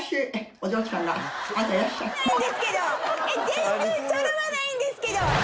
全然そろわないんですけど。